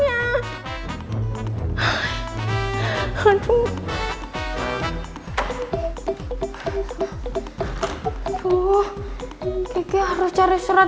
aku mau pergi dulu